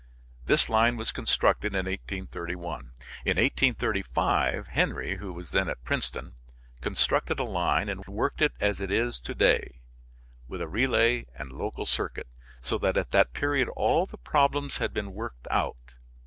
This line was constructed in 1831. In 1835 Henry, who was then at Princeton, constructed a line and worked it as it is to day worked, with a relay and local circuit, so that at that period all the problems had been worked out.